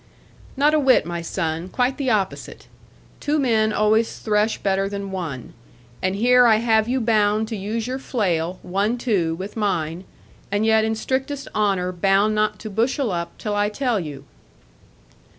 'Not a whit, my son. Quite the opposite. Two men always thresh better than one. And here I have you bound to use your flail, one two, with mine, and yet in strictest honour bound not to bushel up, till I tell you.'